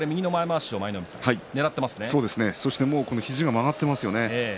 そして肘が曲がっていますよね。